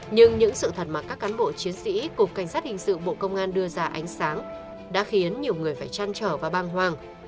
nhưng những sự thật mà các cán bộ chiến sĩ cục cảnh sát hình sự bộ công an đưa ra ánh sáng đã khiến nhiều người phải chăn trở và băng hoàng